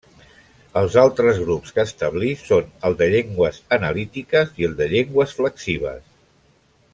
Els altres grups que establí són el de llengües analítiques i el de llengües flexives.